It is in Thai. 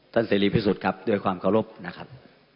เสรีพิสุทธิ์ครับด้วยความเคารพนะครับ